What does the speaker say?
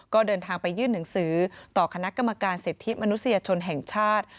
ก็เดินทางไปยื่นหนังสือต่อคณะกรรมการสิทธิมนุษยชนแห่งชาติ